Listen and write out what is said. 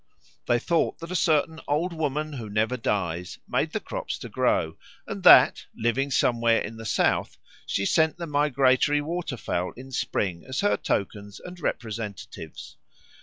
They thought that a certain Old Woman who Never Dies made the crops to grow, and that, living somewhere in the south, she sent the migratory waterfowl in spring as her tokens and representatives.